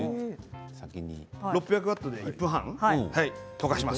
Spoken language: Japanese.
６００ワットで１分半溶かします。